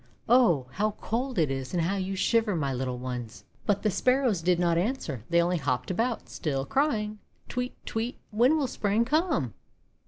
Oh! how cold it is and how you shiver, my little ones!' But the Sparrows did not answer; they only hopped about, still crying: — "Tweet! Tweet! When will Spring come?"